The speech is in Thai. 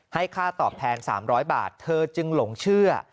ให้ค่าตอบแทน๓๐๐บาทเธอจึงหลงเชื่อ